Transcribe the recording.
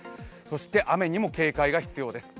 雨にも警戒が必要です。